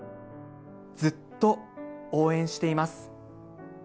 ずっと応援しています。